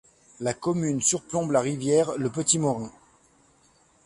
La commune surplombe la rivière le petit Morin.